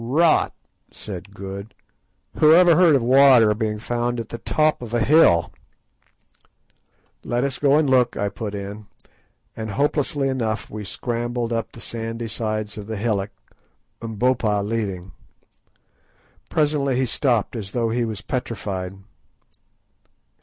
"Rot," said Good; "whoever heard of water being found at the top of a hill!" "Let us go and look," I put in, and hopelessly enough we scrambled up the sandy sides of the hillock, Umbopa leading. Presently he stopped as though he was petrified.